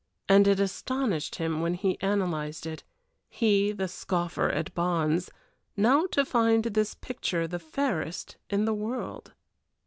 And it astonished him when he analyzed it; he, the scoffer at bonds, now to find this picture the fairest in the world!